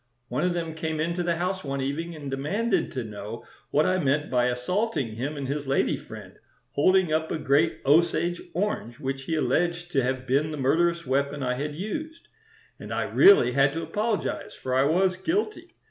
One of them came into the house one evening and demanded to know what I meant by assaulting him and his lady friend, holding up a great Osage orange which he alleged to have been the murderous weapon I had used; and I really had to apologize, for I was guilty.